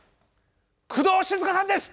工藤静香さんです。